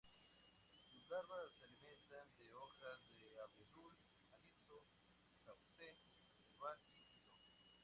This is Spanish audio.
Sus larvas se alimentan de hojas de abedul, aliso, sauce, serbal, y tilo.